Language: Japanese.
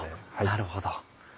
なるほど。